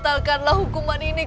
aku untuk tarimu